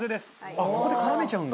あっここで絡めちゃうんだ。